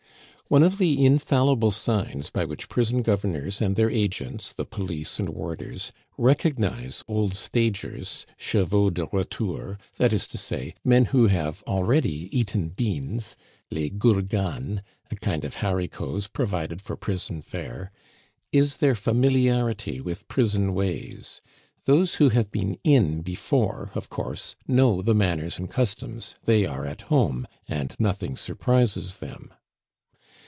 One of the infallible signs by which prison governors and their agents, the police and warders, recognize old stagers (chevaux de retour), that is to say, men who have already eaten beans (les gourganes, a kind of haricots provided for prison fare), is their familiarity with prison ways; those who have been in before, of course, know the manners and customs; they are at home, and nothing surprises them.